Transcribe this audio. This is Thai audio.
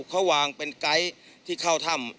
เขาวางเป็นไกด์ที่เข้าถ้ำ